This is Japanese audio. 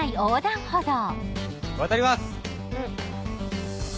渡ります。